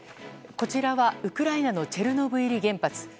こちらは、ウクライナのチェルノブイリ原発。